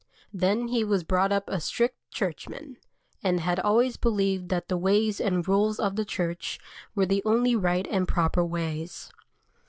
Then he was brought up a strict Churchman, and had always believed that the ways and rules of the Church were the only right and proper ways.